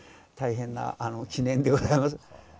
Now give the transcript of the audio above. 大変な記念でございます。